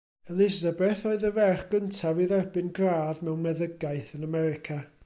Elisabeth oedd y ferch gyntaf i dderbyn gradd mewn meddygaeth yn America.